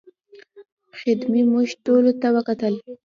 خدمې موږ ټولو ته وکتل.